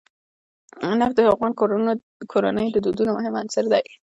نفت د افغان کورنیو د دودونو مهم عنصر دی.